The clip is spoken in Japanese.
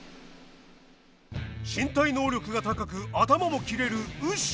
身体能力が高く頭も切れるウシ。